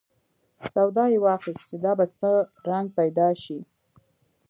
سودا یې واخیست چې دا به څه رنګ پیدا شي.